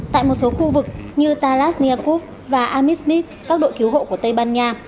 tại một số khu vực như talas niacu và amismit các đội cứu hộ của tây ban nha